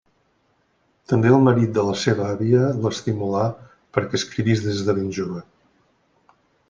També el marit de la seva àvia l'estimulà perquè escrivís des de ben jove.